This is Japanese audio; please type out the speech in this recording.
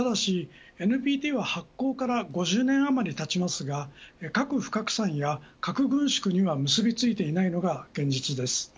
ＮＴＰは発効から５０年余りがたちますが核不拡散や核軍縮に結びついていないのが現実です。